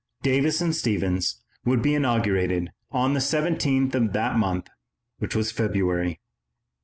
Davis and Stephens would be inaugurated on the 17th of that month, which was February.